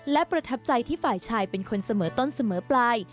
และประทับใจที่ฝ่ายชายเป็นคนเสมอต้นเสมอปลาย